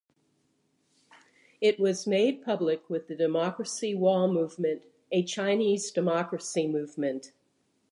It was made public with the Democracy Wall Movement, a Chinese democracy movement.